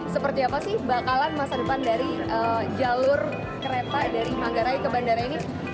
jadi apa sih bakalan masa depan dari jalur kereta dari manggarai ke bandara ini